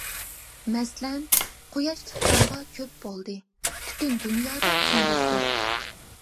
مەسىلەن: قۇياش چىققانغا كۆپ بولدى، پۈتۈن دۇنيادا كۈندۈزدۇر.